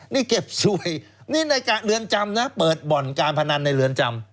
นี่เก็บสวยนี่ในเรือนจำนะเปิดบ่อนการพนันในเรือนจำ